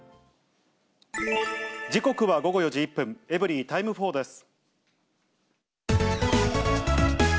時刻は午後４時１分、エブリィタイム４です。